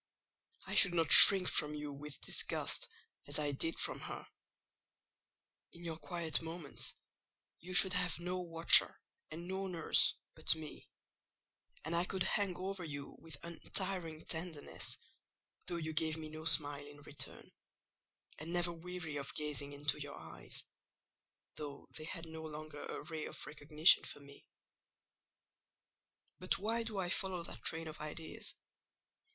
I should not shrink from you with disgust as I did from her: in your quiet moments you should have no watcher and no nurse but me; and I could hang over you with untiring tenderness, though you gave me no smile in return; and never weary of gazing into your eyes, though they had no longer a ray of recognition for me.—But why do I follow that train of ideas?